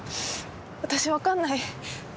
私分かんない。